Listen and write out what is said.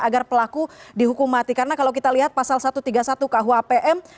agar pelaku dihukum mati karena kalau kita lihat pasal satu ratus tiga puluh satu kuhpm